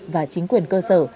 và chính quyền cơ sở